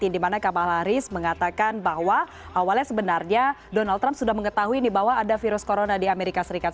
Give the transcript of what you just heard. di mana kamalaris mengatakan bahwa awalnya sebenarnya donald trump sudah mengetahui bahwa ada virus corona di amerika serikat